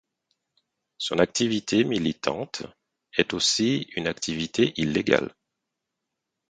Son activité militante est aussi une activité illégale.